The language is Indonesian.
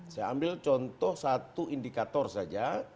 saya ambil contoh satu indikator saja